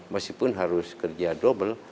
meskipun harus kerja dobel